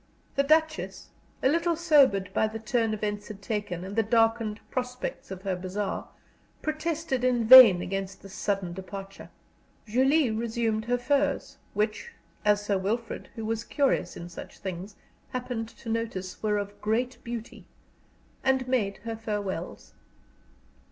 The Duchess, a little sobered by the turn events had taken and the darkened prospects of her bazaar, protested in vain against this sudden departure. Julie resumed her furs, which, as Sir Wilfrid, who was curious in such things; happened to notice, were of great beauty, and made her farewells.